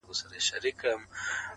زما سره هغې نجلۍ بيا د يارۍ تار وتړی,